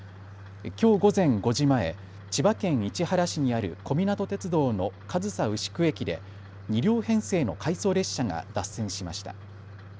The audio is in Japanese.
きょう午前５時前、千葉県市原市にある小湊鐵道の上総牛久駅で２両編成の回送列車が脱線しました。